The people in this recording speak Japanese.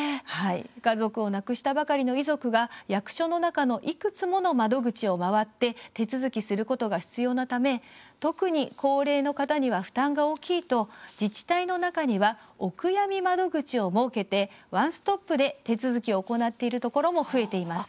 家族を亡くしたばかりの遺族が役所の中の、いくつもの窓口を回って、手続きすることが必要なため、特に高齢の方には負担が大きいと、自治体の中にはおくやみ窓口を設けてワンストップで手続きを行っているところも増えています。